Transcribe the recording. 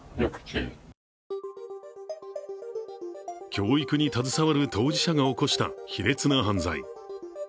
教育に携わる当事者が起こした卑劣な犯罪。